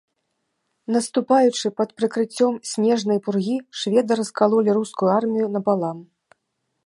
Наступаючы пад прыкрыццём снежнай пургі, шведы раскалолі рускую армію напалам.